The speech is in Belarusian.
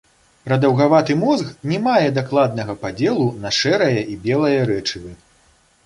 Прадаўгаваты мозг не мае дакладнага падзелу на шэрае і белае рэчывы.